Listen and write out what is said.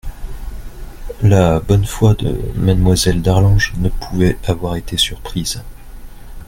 La bonne foi de Mademoiselle d'Arlange ne pouvait avoir été surprise.